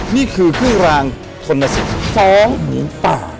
นี่คือพื้นรางทนสิทธิ์ฟ้องหมูป่า